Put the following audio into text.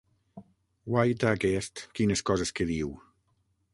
Guaita, aquest, quines coses que diu!